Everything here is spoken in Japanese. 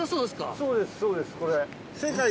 そうですそうですこれ。